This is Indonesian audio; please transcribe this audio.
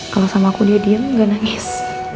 kalau sama aku dia diam nggak nangis